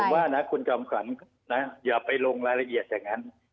อย่างนี้ผมว่านะคุณกำขันอย่าไปลงรายละเอียดแบบนั้น